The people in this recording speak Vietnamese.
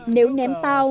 nếu ném bao